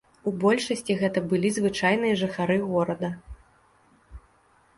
У большасці гэта былі звычайныя жыхары горада.